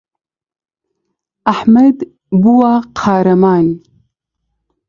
ئەحمەد بووە قارەمان.